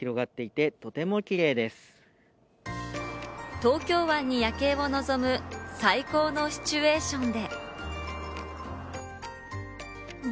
東京湾に夜景をのぞむ最高のシチュエーションで。